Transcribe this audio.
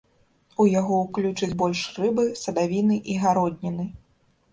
У яго ўключаць больш рыбы, садавіны і гародніны.